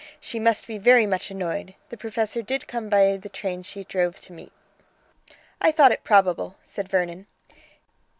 She must be very much annoyed. The professor did come by the train she drove to meet!" "I thought it probable," said Vernon.